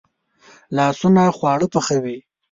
لاسونه خواړه پخوي